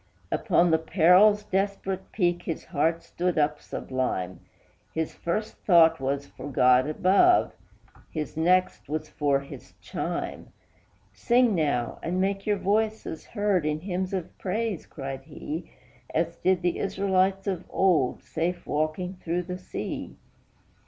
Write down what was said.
Upon the peril's desperate peak his heart stood up sublime; His first thought was for God above, his next was for his chime; "Sing now and make your voices heard in hymns of praise," cried he, "As did the Israelites of old, safe walking through the sea!